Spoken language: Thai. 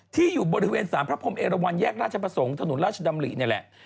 ที่อยู่บริเวณสารพระพรมเอราวันแยกราชประสงค์ถนนราชดำรินี่แหละ